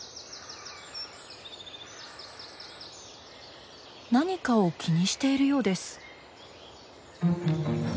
何かを気にしているようです。